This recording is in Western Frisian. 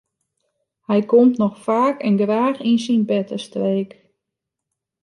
Hy komt noch faak en graach yn syn bertestreek.